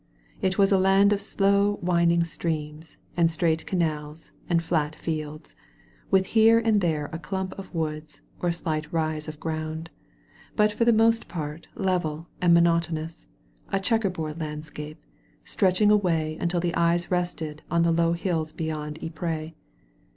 It was a land of slow winding streams and straight canals and fiat fields, with here and there a clump of woods or a slight rise of ground, but for the most part level and monotonous, a checker board landscape — stretching away until the eyes rested on the low hills beyond Ypres.